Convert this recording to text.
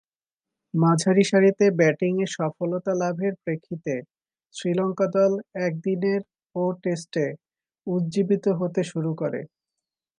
মাঝারিসারিতে ব্যাটিংয়ে সফলতা লাভের প্রেক্ষিতে শ্রীলঙ্কা দল একদিনের ও টেস্টে উজ্জ্বীবিত হতে শুরু করে।